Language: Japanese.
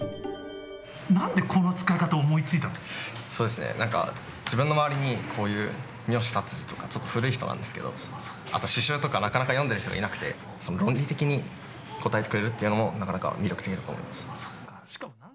なんでこんな使い方を思いつ自分の周りにこういう三好達治とかちょっと古い人なんですけど、あと詩集とかなかなか読んでいる人がいなくて、論理的に答えてくれるっていうのも、なかなか魅力的だと思います。